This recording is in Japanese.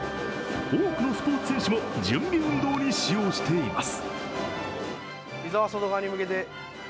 多くのスポーツ選手も準備運動にしようしています。